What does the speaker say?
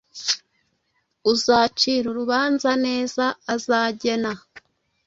Uzacira urubanza neza azagena